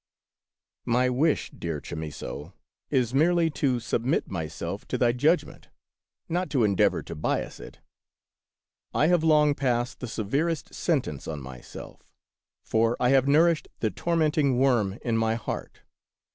My wish, dear Chamisso, is merely to submit myself to thy judgment, not to endeavor to bias it. I have long passed the severest sentence on myself, for I have nourished the tormenting worm in my heart.